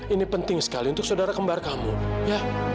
ini penting sekali untuk saudara kembar kamu ya